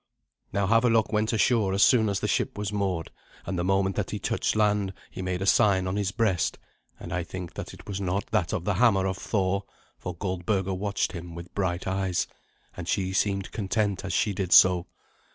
Now Havelok went ashore as soon as the ship was moored; and the moment that he touched land he made a sign on his breast, and I think that it was not that of the hammer of Thor, for Goldberga watched him with bright eyes, and she seemed content as she did so.